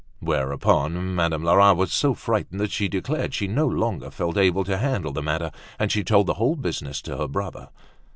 Thereupon Madame Lerat was so frightened that she declared she no longer felt able to handle the matter and she told the whole business to her brother.